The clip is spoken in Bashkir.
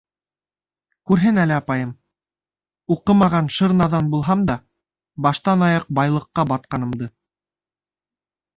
Күрһен әле апайым, уҡымаған шыр наҙан булһам да, баштан-аяҡ байлыҡҡа батҡанымды.